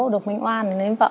được mệnh oan thì lấy vợ